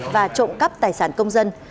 và trộm cắp tài sản công dân